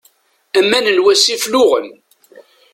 Aman n wasif luɣen.